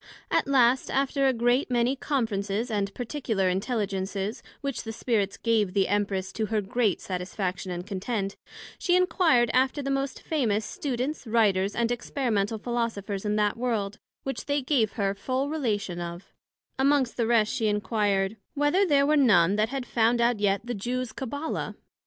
At last, after a great many conferences and particular intelligences, which the Spirits gave the Empress, to her great satisfaction and content; she enquired after the most famous Students, Writers, and Experimental Philosophers in that World, which they gave her full relation of: amongst the rest she enquired, Whether there were none that had found out yet the Jews Cabbala?